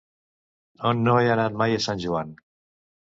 No he anat mai a Sant Joan.